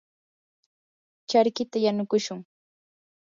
charkita yanukushun.